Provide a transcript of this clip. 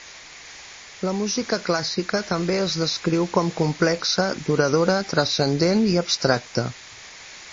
La música clàssica també es descriu com complexa, duradora, transcendent i abstracta.